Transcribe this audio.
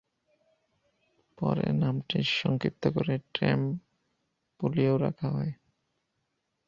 পরে নামটি সংক্ষিপ্ত করে ট্রেমপেলিউ রাখা হয়।